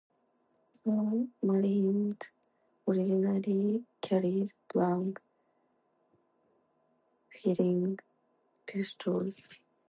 The marines originally carried blank firing pistols.